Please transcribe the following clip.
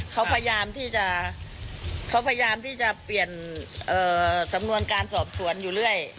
เขาพยายามที่จะเปลี่ยนสำนวนการสอบส่วนอยู่เรื่อย